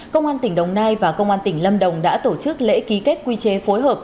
công an tỉnh đồng nai và công an tỉnh lâm đồng đã tổ chức lễ ký kết quy chế phối hợp